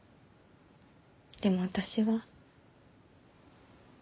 でも私は。